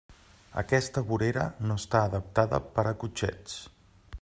Aquesta vorera no està adaptada per a cotxets.